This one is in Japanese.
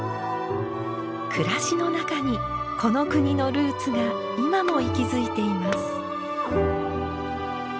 暮らしの中にこの国のルーツが今も息づいています。